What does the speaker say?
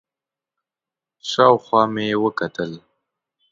شاوخوا مې وکتل،